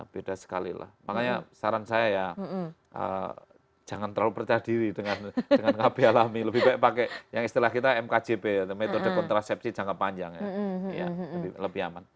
beda sekali lah makanya saran saya ya jangan terlalu percaya diri dengan kb alami lebih baik pakai yang istilah kita mkjp atau metode kontrasepsi jangka panjang ya lebih aman